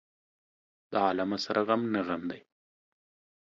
د عالمه سره غم نه غم دى.